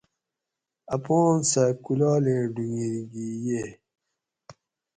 اپان سہ کُولالیں ڈُھونگیر گھی ییئے